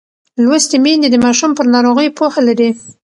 لوستې میندې د ماشوم پر ناروغۍ پوهه لري.